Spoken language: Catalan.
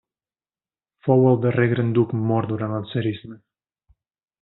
Fou el darrer gran duc mort durant el tsarisme.